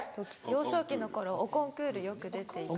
幼少期の頃おコンクールよく出ていて。